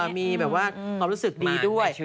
มีแบบว่าความรู้สึกดีด้วย